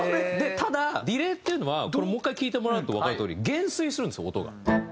ただディレイっていうのはこれもう１回聴いてもらうとわかるとおり減衰するんですよ音が。